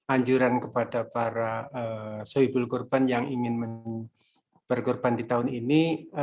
anjuran kepada para soibul kurban yang ingin berkorban di tahun ini